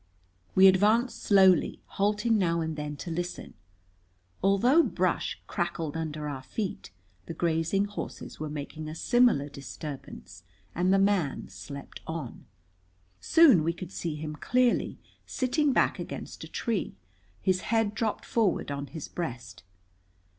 We advanced slowly, halting now and then to listen. Although brush crackled under our feet, the grazing horses were making a similar disturbance, and the man slept on. Soon we could see him clearly, sitting back against a tree, his head dropped forward on his breast.